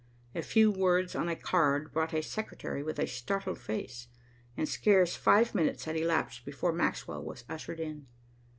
A few words on a card brought a secretary with a startled face, and scarce five minutes had elapsed before Maxwell was ushered in.